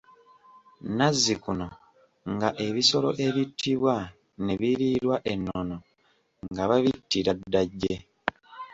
Nazzikuno nga ebisolo ebittibwa ne biriirwa e Nnono nga babittira Ddajje.